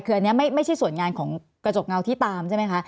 คืออันนี้ไม่ใช่ส่วนงานของกระจกเงาที่ตามใช่ไหมคะ